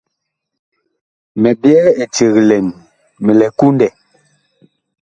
Mi byɛɛ eceg lɛn, mi lɛ kundɛ.